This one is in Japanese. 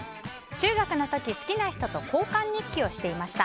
中学の時、好きな人と交換日記をしていました。